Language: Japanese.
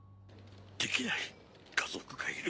できない家族がいる。